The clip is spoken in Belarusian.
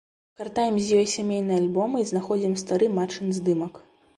Гартаем з ёй сямейныя альбомы і знаходзім стары матчын здымак.